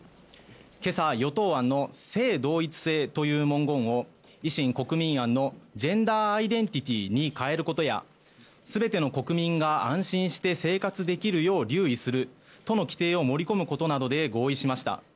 今朝、与党案の性同一性という文言を維新・国民案のジェンダー・アイデンティティーに変えることや全ての国民が安心して生活できるよう留意するとの規定を盛り込むことなどで合意しました。